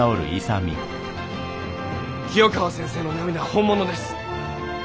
清河先生の涙は本物です。